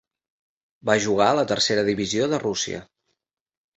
Va jugar a la tercera divisió de Rússia.